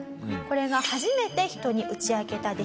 これが初めて人に打ち明けた出来事です。